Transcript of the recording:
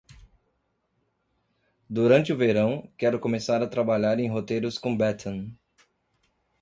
Durante o verão, quero começar a trabalhar em roteiros com Bethan.